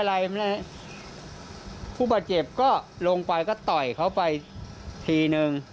เพราะฉะนั้นผู้บาดเจ็บก็ลงไปก็ต่อยเขาไปทีหนึ่ง